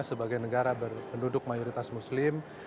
sebagai negara berpenduduk mayoritas muslim